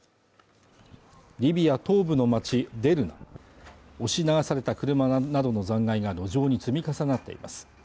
リビア東部の町デルナ押し流された車などの残骸が路上に積み重なっています